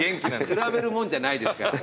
比べるもんじゃないですから。